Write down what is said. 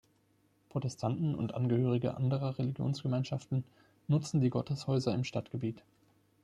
Protestanten und Angehörige anderer Religionsgemeinschaften nutzen die Gotteshäuser im Stadtgebiet.